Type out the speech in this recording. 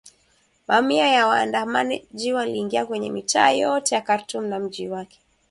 Mamia ya waandamanaji waliingia kwenye mitaa yote ya Khartoum na mji wake